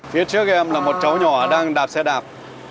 phía trước em là một cháu nhỏ đang đạp xe đạp